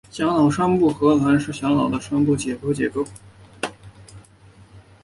小脑深部核团是小脑的深部的解剖结构。